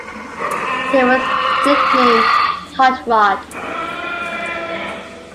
He was nicknamed Hot Rod.